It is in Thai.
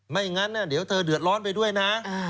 ไม่งั้นเดี๋ยวเธอเดือดร้อนไปด้วยนะ